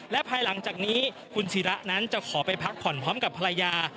และภายหลังจากนี้คุณศิระนั้นจะขอไปพักผ่อนพร้อมกับภรรยา